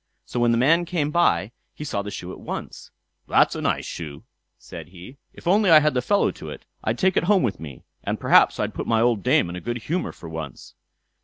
So when the man came by he saw the shoe at once. "That's a nice shoe", said he. "If I only had the fellow to it, I'd take it home with me, and perhaps I'd put my old dame in a good humour for once."